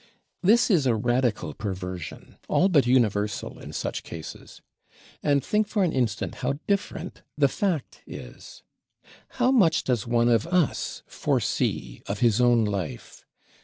This is a radical perversion; all but universal in such cases. And think for an instant how different the fact is! How much does one of us foresee of his own life?